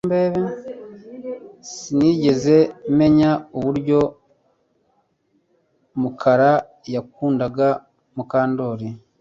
Sinigeze menya uburyo Mukara yakundaga Mukandoli